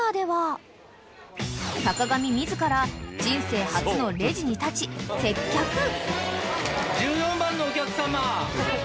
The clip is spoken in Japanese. ［坂上自ら人生初のレジに立ち接客］